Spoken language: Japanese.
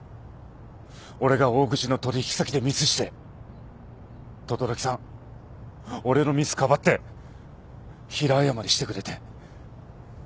俺が大口の取引先でミスして轟さん俺のミスかばって平謝りしてくれて。